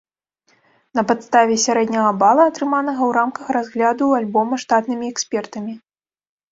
На падставе сярэдняга бала, атрыманага ў рамках разгляду альбома штатнымі экспертамі.